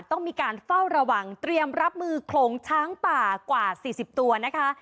ต้องมีการเฝ้าระวังเตรียมรับมือโขลงช้างป่ากว่า๔๐ตัวนะคะ